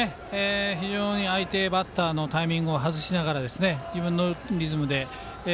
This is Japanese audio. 相手バッターのタイミングを外しながら自分のリズムで。